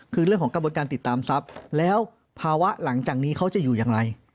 คือเรื่องของกระบวนการติดตามทรัพย์แล้วภาวะหลังจากนี้เขาจะอยู่อย่างไร